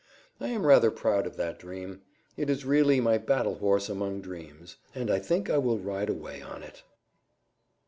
I am rather proud of that dream; it is really my battle horse among dreams, and I think I will ride away on it.